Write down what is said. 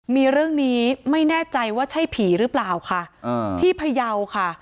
มีเรื่องนี้ไม่แน่ใจว่าใช่ผีหรือเปล่าค่ะอ่าที่พยาวค่ะ